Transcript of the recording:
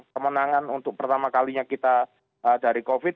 kemenangan untuk pertama kalinya kita dari covid